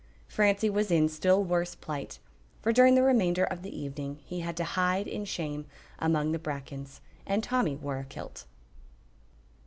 Francie was in still worse plight, for during the remainder of the evening he had to hide in shame among the brackens, and Tommy wore a kilt.